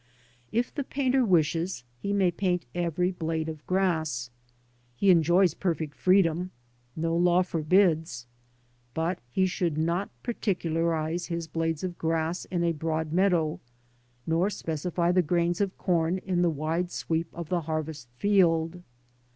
If the painter wishes, he may paint every blade of grass. He enjoys perfect freedom; no law forbids. But he should not particularise his blades of grass in a broad meadow, nor specify the grains of corn in the wide sweep of the harvest field.